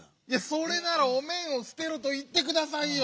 ⁉それなら「おめんをすてろ」といってくださいよ！